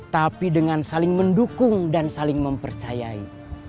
tapi dengan saling mendukung dan saling mempercayai